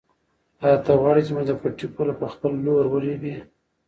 آیا ته غواړې چې زموږ د پټي پوله په خپل لور ورېبې؟